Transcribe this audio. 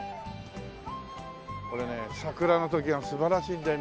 これね桜の時が素晴らしいんだよ